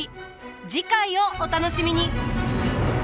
次回をお楽しみに。